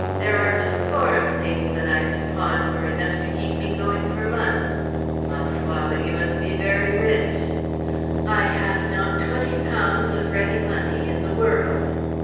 There are a score of things that I could pawn for enough to keep me going for months. Ma foi, but you must be very rich." "I have not £20 of ready money in the world."